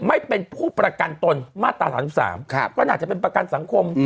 ไม่เป็นผู้ประกันตนมาตรา๓๓ก็น่าจะเป็นประกันสังคม